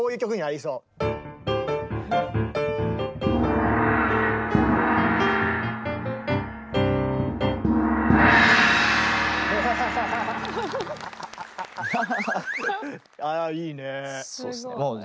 そうっすね。